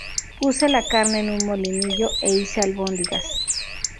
Puse la carne en un molinillo, e hice albóndigas.